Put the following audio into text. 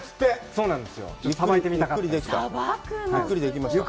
そうなんですよ。